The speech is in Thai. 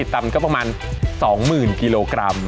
ตันก็ประมาณ๒๐๐๐กิโลกรัม